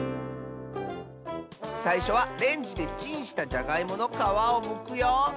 さいしょはレンジでチンしたじゃがいものかわをむくよ。